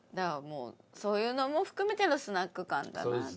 そういうのも含めてのスナック感だなと。